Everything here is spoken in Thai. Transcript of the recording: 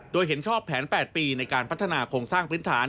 โดยเห็นชอบแผน๘ปีในการพัฒนาโครงสร้างพื้นฐาน